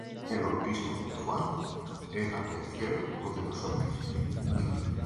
El bautismo de Juan, ¿era del cielo, ó de los hombres?